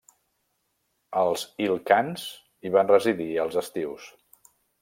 Els Il-khans hi van residir als estius.